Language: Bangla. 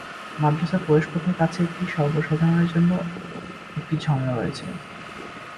মাদ্রাসার প্রবেশপথের কাছে একটি সর্বসাধারণের জন্য একটি ঝর্ণা রয়েছে।